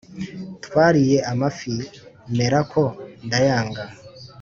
Twariye amafi merako ndayanga